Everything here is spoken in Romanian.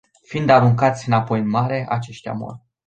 Fiind aruncați înapoi în mare, aceștia mor.